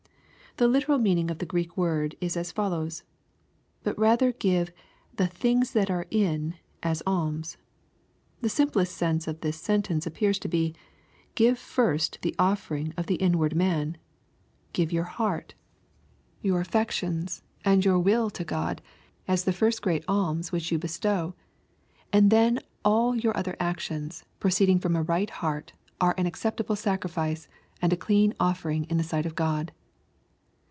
The literal meaning of the Greek word is as follows, —" But rather give the things that are in, as alms."— The simplest sense of this sentence appears to be, " Give first the offering: of thai nward man. Give your he^rt, your cfTeo LUKE^ CHAP. XI. 49 lOns, and your will to God, as the first great alms which you jestow, and then all your other actions, proceeding from a right heart, are an acceptable sacrifice, and a clean offermg in the sight of Q od.